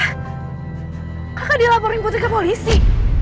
kakak dilaporin putri ke polisi